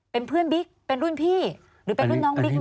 เป็นเพื่อนบิ๊กเป็นรุ่นพี่หรือเป็นรุ่นน้องบิ๊กไหม